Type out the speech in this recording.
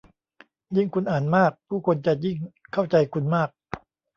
ยิ่งคุณอ่านมาก ผู้คนจะยิ่งเข้าใจคุณมาก